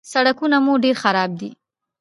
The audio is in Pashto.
_سړکونه مو ډېر خراب دي.